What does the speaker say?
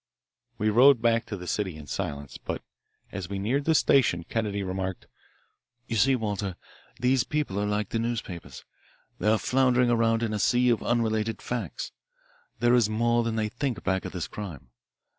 We rode back to the city in silence, but as we neared the station, Kennedy remarked: "You see, Walter, these people are like the newspapers. They are floundering around in a sea of unrelated facts. There is more than they think back of this crime.